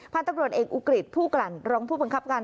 พันธุ์ตำรวจเอกอุกฤษผู้กลั่นรองผู้บังคับการ